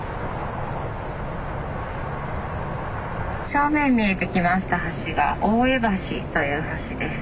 正面見えてきました橋が大江橋という橋です。